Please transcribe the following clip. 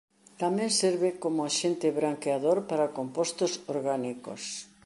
Tamén serve como axente branqueador para compostos orgánicos.